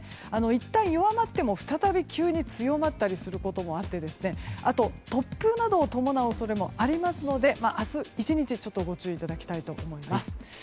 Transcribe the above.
いったん弱まっても再び急に強まったりすることもあってあと、突風などを伴う恐れもありますので明日、１日ご注意いただきたいと思います。